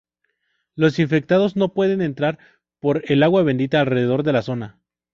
Los infectados no pueden entrar por el agua bendita alrededor de la zona.